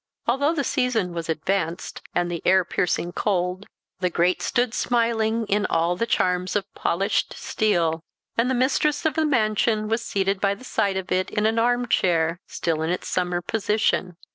Although the season was advanced, and the air piercing cold, the grate stood smiling in all the charms of polished steel; and the mistress of the mansion was seated by the side of it in an arm chair, still in its summer position.